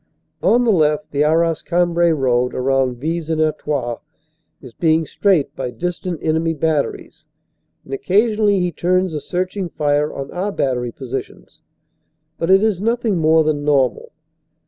On the left the Arras Cambrai road around Vis en Artois is being straafed by distant enemy batteries, and occa sionally he turns a searching fire on our battery positions. But it is nothing more than normal.